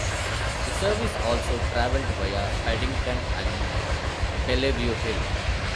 The service also travelled via Paddington and Bellevue Hill.